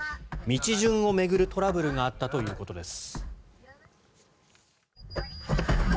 道順を巡るトラブルがあったということです。